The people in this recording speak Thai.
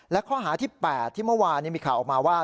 และข้อหาที่๘ที่เมื่อวานมีข่าวออกมาว่า